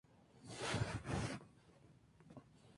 Se le atribuye la fundación de Hispalis.